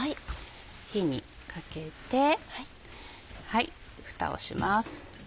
火にかけてフタをします。